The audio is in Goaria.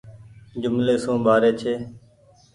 جملي سون ٻآري ڇي۔